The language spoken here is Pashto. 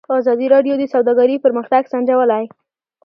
ازادي راډیو د سوداګري پرمختګ سنجولی.